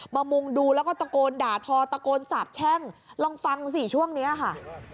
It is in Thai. มุงดูแล้วก็ตะโกนด่าทอตะโกนสาบแช่งลองฟังสิช่วงนี้ค่ะ